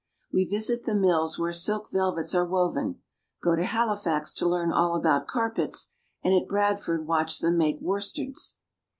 We visit the mills where silk velvets are woven, go to Halifax to learn all about carpets, and at Bradford watch them make worsteds.